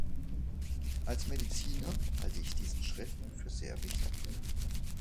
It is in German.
Als Mediziner halte ich diesen Schritt für sehr wichtig.